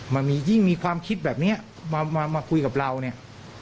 มันมียิ่งมีความคิดแบบนี้มาคุยกับเราเนี่ย